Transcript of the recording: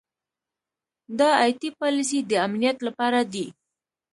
دا ائ ټي پالیسۍ د امنیت لپاره دي.